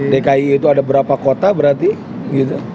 dki itu ada berapa kota berarti gitu